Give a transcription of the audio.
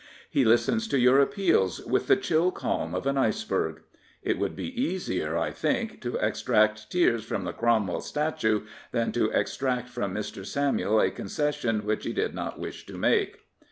He listens to your appeals with the chill calm of an iceberg. It would be easier, I think, to extract tears from the Cromwell statue than to extract from Mr. Samuel a concession which he did not wish to make.